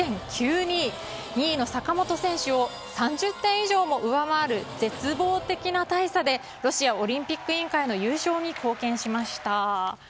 ２位の坂本選手を３０点以上も上回る絶望的な大差でロシアオリンピック委員会の優勝に貢献しました。